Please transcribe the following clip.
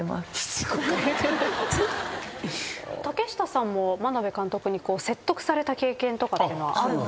竹下さんも眞鍋監督に説得された経験とかっていうのはあるんですか？